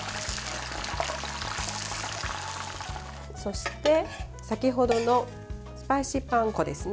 そして、先程のスパイシーパン粉ですね。